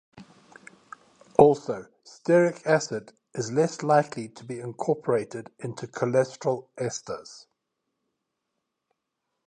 Also, stearic acid is less likely to be incorporated into cholesterol esters.